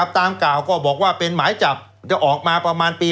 ตามกล่าวก็บอกว่าเป็นหมายจับจะออกมาประมาณปี